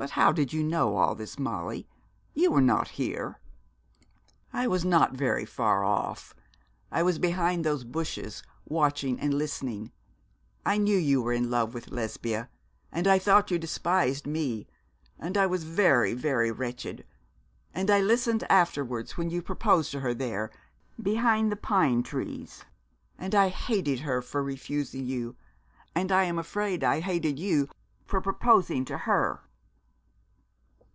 'But how did you know all this, Molly? You were not here.' 'I was not very far off. I was behind those bushes, watching and listening. I knew you were in love with Lesbia, and I thought you despised me, and I was very, very wretched; and I listened afterwards when you proposed to her there behind the pine trees and I hated her for refusing you, and I am afraid I hated you for proposing to her.'